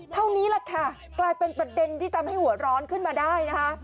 เท่านี้แหละค่ะกลายเป็นประเด็นที่ทำให้หัวร้อนขึ้นมาได้นะคะ